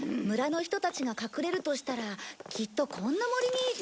村の人たちが隠れるとしたらきっとこんな森に。